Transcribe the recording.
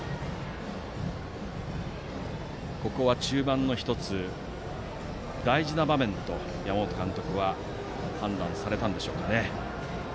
ここは中盤の１つ、大事な場面と山本監督は判断されたんでしょうかね。